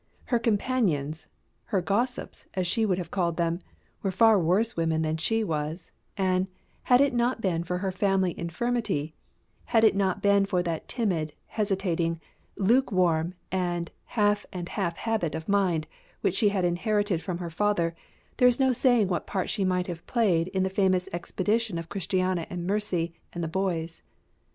Her companions, her gossips, as she would have called them, were far worse women than she was; and, had it not been for her family infirmity, had it not been for that timid, hesitating, lukewarm, and half and half habit of mind which she had inherited from her father, there is no saying what part she might have played in the famous expedition of Christiana and Mercy and the boys.